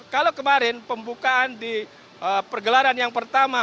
kalau kemarin pembukaan di pergelaran yang pertama